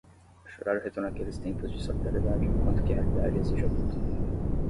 chorar o retorno aqueles tempos de solidariedade, enquanto que a realidade exige a luta